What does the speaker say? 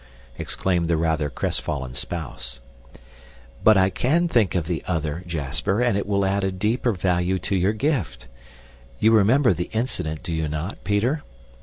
exclaimed the rather crestfallen spouse. "But I CAN think of the other, Jasper, and it will add a deeper value to your gift. You remember the incident, do you not, Peter?